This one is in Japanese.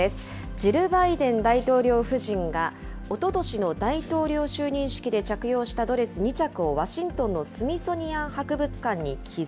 ジル・バイデン大統領夫人が、おととしの大統領就任式で着用したドレス２着を、ワシントンのスミソニアン博物館に寄贈。